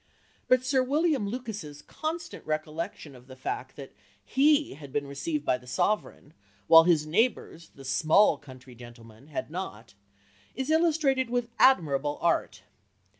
But Sir William Lucas's constant recollection of the fact that he had been received by the sovereign, while his neighbours, the "small" country gentlemen, had not, is illustrated with admirable art.